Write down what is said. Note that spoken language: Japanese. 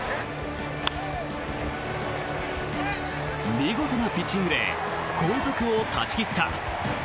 見事なピッチングで後続を断ち切った。